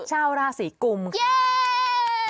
ชาวราศีกุมค่ะ